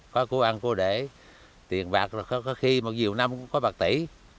có cụ ăn cụ để tiền bạc có khi một dìu năm cũng có bạc tỷ